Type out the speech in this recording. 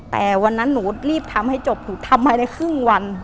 แต่วันนั้นหนูรีบทำให้จบหนูทำภายในครึ่งวัน